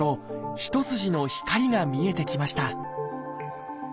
一筋の光が見えてきました